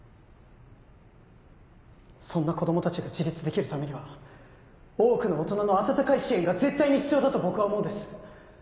そんな子供たちが自立できるためには多くの大人の温かい支援が絶対に必要だと僕は思うんです。